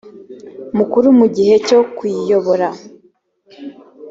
mukuru mu gihe cyo kuyiyobora